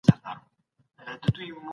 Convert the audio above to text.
څه یې ویل